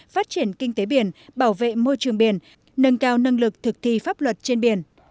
phát triển kinh tế biển bảo vệ môi trường biển nâng cao năng lực thực thi pháp luật trên biển